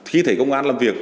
khi thấy công an làm việc